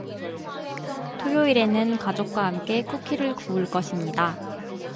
토요일에는 가족과 함께 쿠키를 구울 것입니다.